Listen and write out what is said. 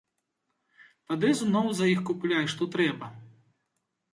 Тады зноў за іх купляй што трэба.